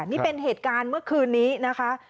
นี่เป็นเหตุการณ์เมื่อคืนนี้นะคะ